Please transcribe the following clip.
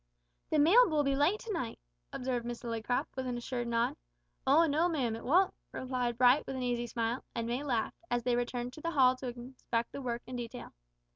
"The mail will be late to night," observed Miss Lillycrop, with an assured nod. "O no, ma'am, it won't," replied Bright, with an easy smile, and May laughed as they returned to the hall to inspect the work in detail.